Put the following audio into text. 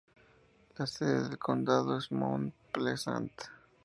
La sede del condado es Mount Pleasant.